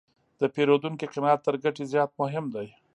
د پیرودونکي قناعت تر ګټې زیات مهم دی.